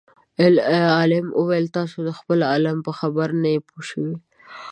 عالم وویل تاسو د خپل عالم په خبره نه یئ پوه شوي.